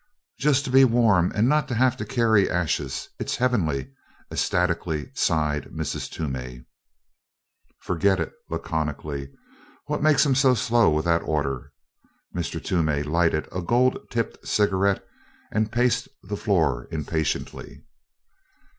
"Just to be warm and not have to carry ashes it's heavenly!" ecstatically sighed Mrs. Toomey. "Forget it!" laconically. "What makes 'em so slow with that order?" Mr. Toomey lighted a gold tipped cigarette and paced the floor impatiently.